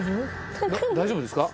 大丈夫ですか？